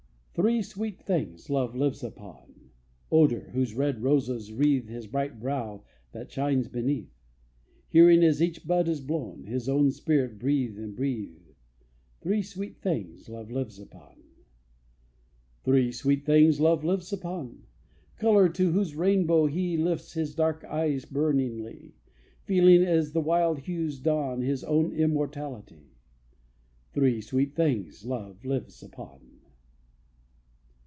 Three sweet things love lives upon: Odor, whose red roses wreathe His bright brow that shines beneath; Hearing, as each bud is blown, His own spirit breathe and breathe. Three sweet things love lives upon. Three sweet things love lives upon: Color, to whose rainbow he Lifts his dark eyes burningly; Feeling, as the wild hues dawn, His own immortality. Three sweet things love lives upon.